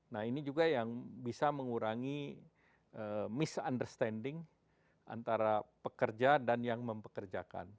nah ini juga yang bisa mengurangi miss understanding antara pekerja dan yang mempekerjakan